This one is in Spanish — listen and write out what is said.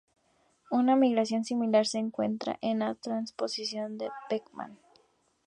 Una migración similar se encuentra en la transposición de Beckmann.